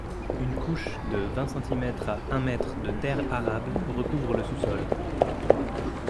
Une couche de vingt centimètres à un mètre de terre arable recouvre le sous-sol.